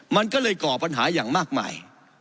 มันก็เลยก่อปัญหาอย่างมากมาย